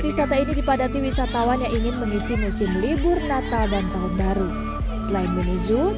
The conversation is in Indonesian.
wisata ini dipadati wisatawan yang ingin mengisi musim libur natal dan tahun baru selain mini zoo